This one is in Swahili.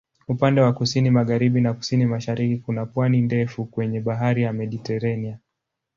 Upande wa kusini-magharibi na kusini-mashariki kuna pwani ndefu kwenye Bahari ya Mediteranea.